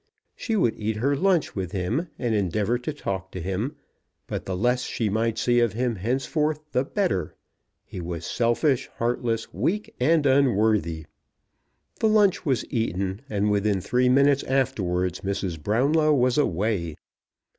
She would eat her lunch with him, and endeavour to talk to him; but the less she might see of him henceforth the better. He was selfish, heartless, weak, and unworthy. The lunch was eaten, and within three minutes afterwards, Mrs. Brownlow was away.